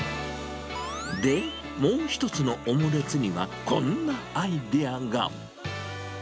で、もう一つのオムレツには、こんなアイデアが。